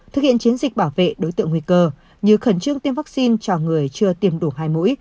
thực hiện chiến dịch bảo vệ đối tượng nguy cơ như khẩn trương tiêm vaccine cho người chưa tiêm đủ hai mũi